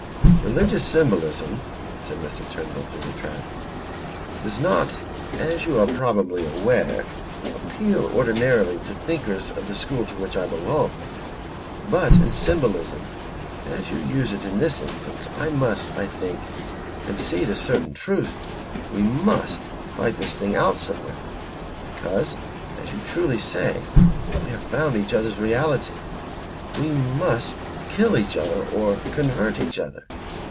"Religious symbolism," said Mr. Turnbull, through the trap, "does not, as you are probably aware, appeal ordinarily to thinkers of the school to which I belong. But in symbolism as you use it in this instance, I must, I think, concede a certain truth. We must fight this thing out somewhere; because, as you truly say, we have found each other's reality. We must kill each other or convert each other.